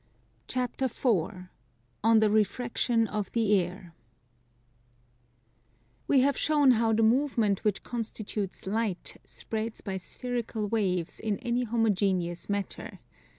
CHAPTER IV ON THE REFRACTION OF THE AIR We have shown how the movement which constitutes light spreads by spherical waves in any homogeneous matter.